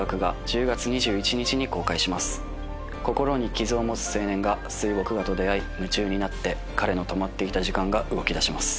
心に傷を持つ青年が水墨画と出合い夢中になって彼の止まっていた時間が動きだします。